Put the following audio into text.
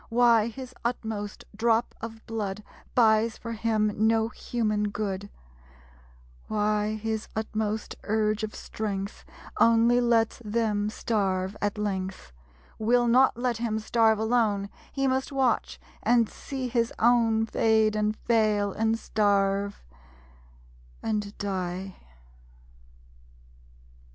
Why his utmost drop of blood Buys for him no human good; Why his utmost urge of strength Only lets Them starve at length; Will not let him starve alone; He must watch, and see his own Fade and fail, and starve, and die.